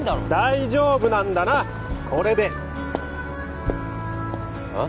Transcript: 大丈夫なんだなこれであっ？